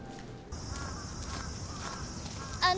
・あの。